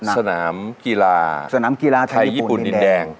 สนามกีฬาสนามกีฬาไทยญี่ปุ่นดินแดง